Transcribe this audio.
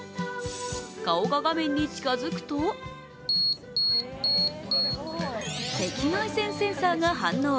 顔が画面に近づくと赤外線センサーが反応。